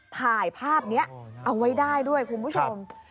ถ่ายภาพนี้เอาไว้ได้ด้วยคุณผู้ชม